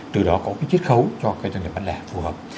từ đó có cái chiết khấu cho cái doanh nghiệp bán lẻ phù hợp